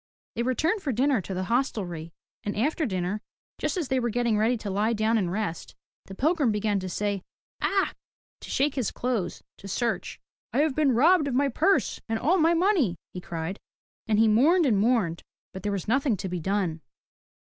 They returned for dinner to the hostelry, and after dinner, just as they were getting ready to lie down and rest, the pilgrim began to say Akh! to shake his clothes, to search. "I have been robbed of my purse and all my money, he cried. And he mourned and mourned, but there was nothing to be done.